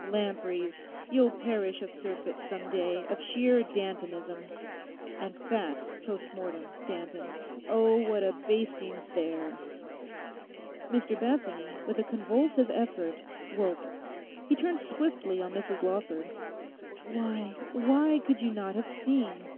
Lampreys! You'll perish of surfeit some day, of sheer Dantonism. And fat, postmortem, Danton. Oh, what a basting's there!' Mr Bethany, with a convulsive effort, woke. He turned swiftly on Mrs Lawford. 'Why, why, could you not have seen?